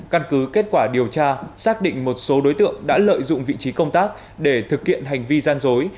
căn cứ kết quả điều tra xác định một số đối tượng đã lợi dụng vị trí công tác để thực hiện hành vi gian dối